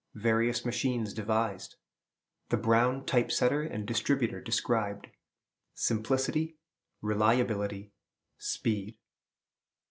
Various Machines devised. The Brown Type setter and Distributer described. Simplicity. Reliability. Speed.